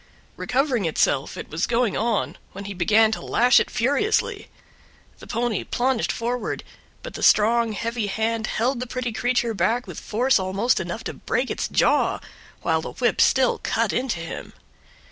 Recovering itself it was going on, when he began to lash it furiously. The pony plunged forward, but the strong, heavy hand held the pretty creature back with force almost enough to break its jaw, while the whip still cut into him.